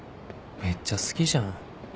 めっちゃ好きじゃん